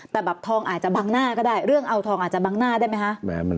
แต่แบบทองอาจจะบังหน้าก็ได้เรื่องเอาทองอาจจะบังหน้าได้ไหมคะ